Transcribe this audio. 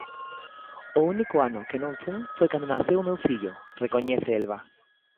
"O único ano que non fun foi cando naceu o meu fillo", recoñece Elba.